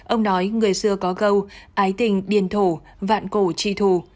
ông nói người xưa có câu ái tình điền thổ vạn cổ tri thù